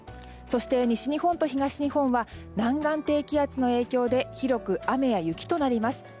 そして西日本と東日本は南岸低気圧の影響で広く雨や雪となります。